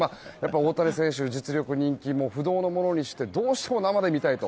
大谷選手、実力、人気不動のものにしてどうしても生で見たいと。